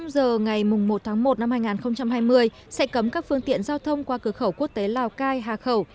theo đó từ h ngày một một hai nghìn hai mươi sẽ cấm các phương tiện giao thông qua cửa khẩu quốc tế lào cai hà khẩu